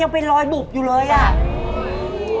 ยังเป็นรอยบุบอยู่เลยอ่ะ